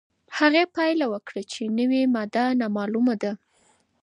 هغې پایله وکړه چې نوې ماده نامعلومه ده.